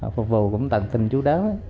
phục vụ cũng tận tình chú đáo